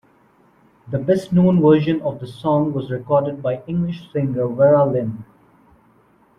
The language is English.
The best-known version of the song was recorded by English singer Vera Lynn.